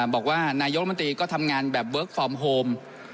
บอกว่านายกรมนตรีก็ทำงานแบบเวิร์คฟอร์มโฮม